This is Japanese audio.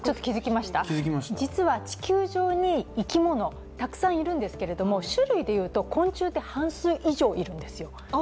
実は地球上に生き物、たくさんいるんですけれども種類でいうと、昆虫って半数以上いるんですよ。